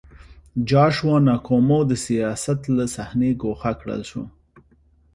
جاشوا نکومو د سیاست له صحنې ګوښه کړل شو.